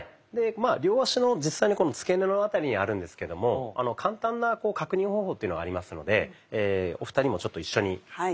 まあ両足の実際にこのつけ根の辺りにあるんですけども簡単な確認方法というのがありますのでお二人もちょっと一緒に。